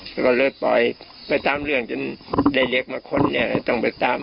แล้วก็เลยปล่อยไปตามเรื่องจนได้เด็กมาคนนี้เลยต้องไปตาม